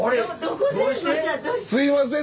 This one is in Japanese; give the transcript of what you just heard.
すいません